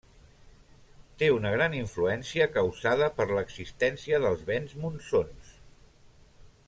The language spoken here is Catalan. Té una gran influència causada per l'existència dels vents Monsons.